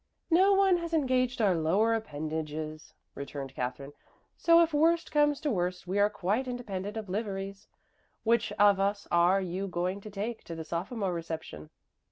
"No one has engaged our lower appendages," returned Katherine. "So if worse comes to worst, we are quite independent of liveries. Which of us are you going to take to the sophomore reception?"